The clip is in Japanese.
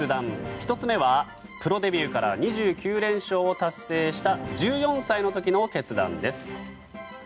１つ目はプロデビューから２９連勝を達成した１４歳の時の決断です。